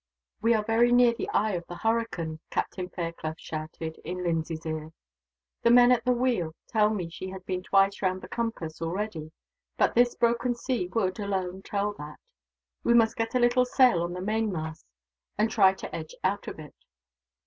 "We are very near the eye of the hurricane," Captain Fairclough shouted, in Lindsay's ear. "The men at the wheel tell me she has been twice round the compass, already; but this broken sea would, alone, tell that. We must get a little sail on the main mast, and try to edge out of it."